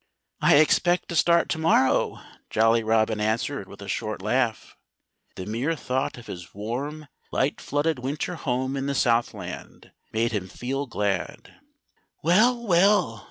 "I expect to start to morrow," Jolly Robin answered with a short laugh. The mere thought of his warm, light flooded winter home in the Southland made him feel glad. "Well, well!"